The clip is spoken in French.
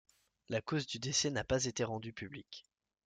La cause du décès n'a pas été rendue publique.